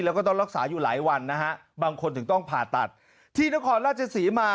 แล้วก็ต้องรักษาอยู่หลายวันนะฮะบางคนถึงต้องผ่าตัดที่นครราชศรีมา